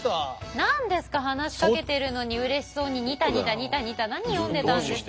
何ですか話しかけてるのにうれしそうにニタニタニタニタ何読んでたんですか。